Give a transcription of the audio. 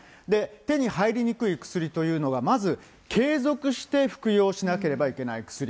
手に入りにくい薬というのが、まず継続して服用しなければいけない薬。